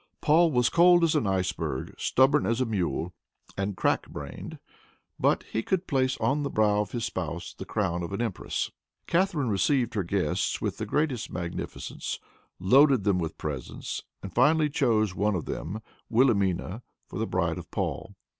Paul was cold as an iceberg, stubborn as a mule and crack brained, but he could place on the brow of his spouse the crown of an empress. Catharine received her guests with the greatest magnificence, loaded them with presents, and finally chose one of them, Wilhelmina, for the bride of Paul.